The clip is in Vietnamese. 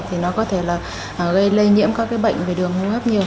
thì nó có thể gây lây nhiễm các bệnh về đường hôn hấp nhiều